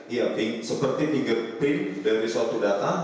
iya seperti fingerprint dari suatu data